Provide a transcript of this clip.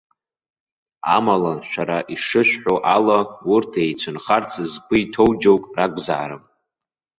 Амала шәара ишышәҳәо ала урҭ еицәынхарц згәы иҭоу џьоук ракәзаарым.